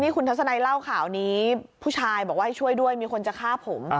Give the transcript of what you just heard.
คุณทัศนัยเล่าข่าวนี้ผู้ชายบอกว่าให้ช่วยด้วยมีคนจะฆ่าผม